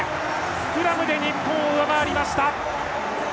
スクラムで日本を上回りました。